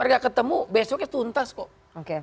ketemu besoknya tuntas kok